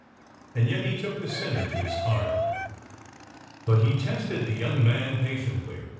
And yet he took the sinner to his heart. But he tested the young man patiently.